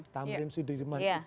tamrim sudirman itu juga